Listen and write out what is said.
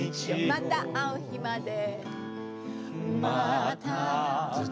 「またあう日まで」